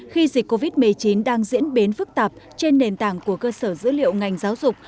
khi dịch covid một mươi chín đang diễn biến phức tạp trên nền tảng của cơ sở dữ liệu ngành giáo dục